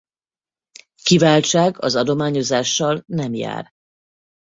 Kiváltság az adományozással nem jár.